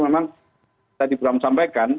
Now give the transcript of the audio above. memang saya tidak mau sampaikan